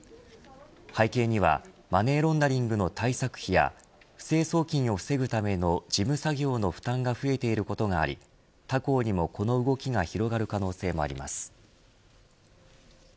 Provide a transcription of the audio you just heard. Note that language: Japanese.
背景にはマネーロンダリングの対策費や不正送金を防ぐための事務作業の負担が増えていることがあり他行にもこの動きが広がる可能性もあります。